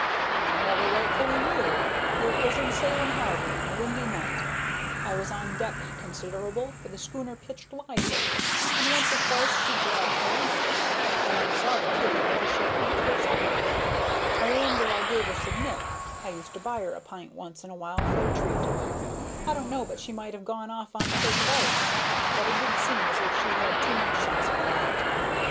"I never rightfully knew; it was in Salem harbor, and a windy night. I was on deck consider'ble, for the schooner pitched lively, and once or twice she dragged her anchor. I never saw the kitty after she eat her supper. I remember I gave her some milk, I used to buy her a pint once in a while for a treat; I don't know but she might have gone off on a cake of ice, but it did seem as if she had too much sense for that.